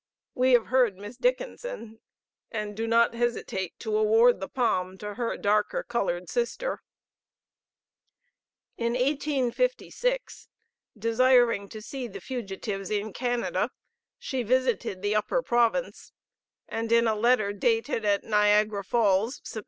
We have heard Miss Dickinson, and do not hesitate to award the palm to her darker colored sister." In 1856, desiring to see the fugitives in Canada, she visited the Upper Province, and in a letter dated at Niagara Falls, Sept.